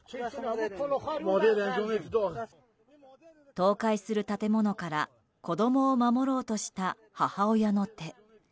倒壊する建物から子供を守ろうとした母親の手。